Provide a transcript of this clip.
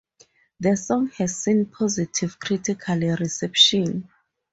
The song has seen positive critical reception.